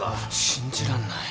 信じらんない。